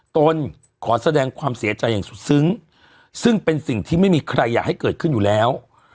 ตนขอแสดงความเสียใจอย่างสุดซึ้งซึ่งเป็นสิ่งที่ไม่มีใครอยากให้เกิดขึ้นอยู่แล้ว